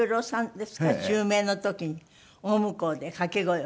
襲名の時に大向こうで掛け声を。